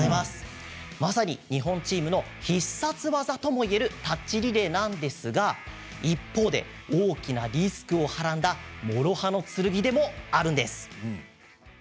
まさに日本チームの必殺技とも言えるタッチリレーなんですが一方で、大きなリスクをはらんだ諸刃の剣でもあるんです。